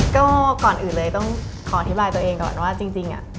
ก็ก่อนอื่นเลยต้องขออธิบายตัวเองก่อนว่าจริง